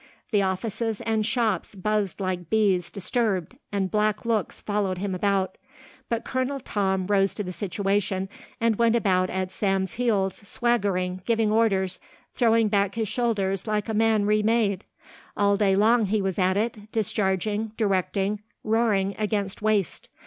The offices and shops buzzed like bees disturbed and black looks followed him about. But Colonel Tom rose to the situation and went about at Sam's heels, swaggering, giving orders, throwing back his shoulders like a man remade. All day long he was at it, discharging, directing, roaring against waste.